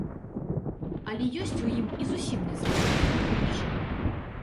Але ёсць у ім і зусім незразумелыя рэчы.